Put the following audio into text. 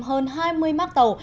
hơn hai mươi mác tàu